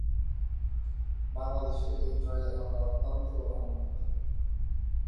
এরা ব্যক্তিগত সমাবেশ করে কোন বাড়ি বা ভাড়া করা জায়গায় এবং তাদের সদস্যতা তৈরি করতে ইন্টারনেট ব্যবহার করে।